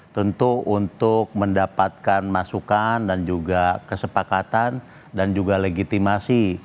tentu untuk mendapatkan masukan dan juga kesepakatan dan juga legitimasi